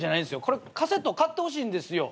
これカセットを買ってほしいんですよ。